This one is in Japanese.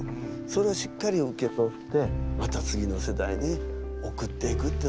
それをしっかり受け取ってまた次の世代におくっていくっていうのはね